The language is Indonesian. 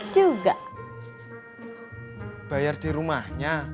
mau trabajin di rumah